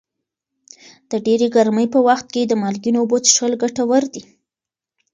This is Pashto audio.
د ډېرې ګرمۍ په وخت کې د مالګینو اوبو څښل ګټور دي.